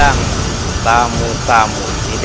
aku akan menemukanmu